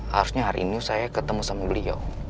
harusnya hari ini saya ketemu sama beliau